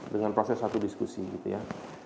dengan proses satu diskusi gitu ya